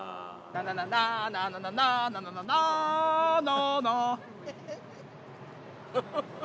ナナナナナナナナナナナナナナ。